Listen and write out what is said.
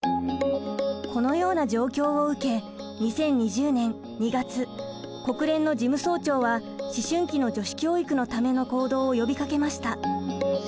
このような状況を受け２０２０年２月国連の事務総長は思春期の女子教育のための行動を呼びかけました。